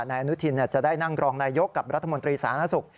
นายอนุทินจะได้นั่งรองนายยกกับรัฐมนตรีสาธารณสุข